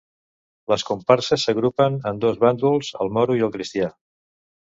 Les comparses s'agrupen en dos bàndols, el moro i el cristià.